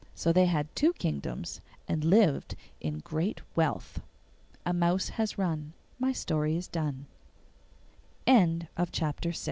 So they had two kingdoms and lived in great wealth. A mouse has run, My story's done. THE DRAGON AND H